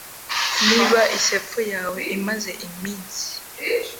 Niba isepfu yawe imaze iminsi